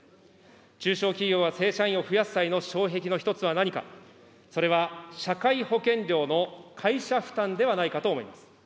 中小企業が正社員を増やす際の障壁の一つは何か、それは社会保険料の会社負担ではないかと思います。